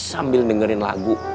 sambil dengerin lagu